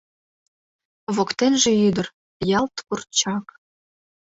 Воктенже ӱдыр, ялт курчак.